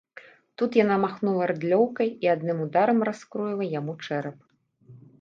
Тут яна махнула рыдлёўкай і адным ударам раскроіла яму чэрап.